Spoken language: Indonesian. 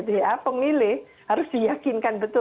jadi voters gitu ya pemilih harus diyakinkan betul gitu ya